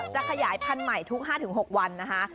จะขยายพันธุ์ใหม่ทุก๕๖วันนะคะ